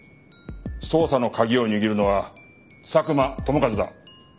捜査の鍵を握るのは佐久間友和だ。